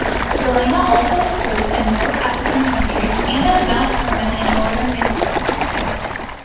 Galena also occurs in North African countries and at Mount Hermon in Northern Israel.